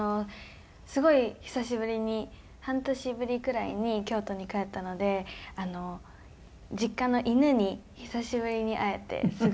すごい久しぶりに半年ぶりくらいに京都に帰ったので実家の犬に久しぶりに会えてすごくうれしかったです。